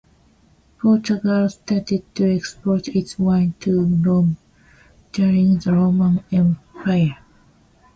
Portugal started to export its wines to Rome during the Roman Empire.